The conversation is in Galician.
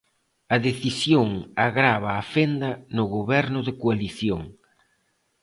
A decisión agrava a fenda no Goberno de coalición.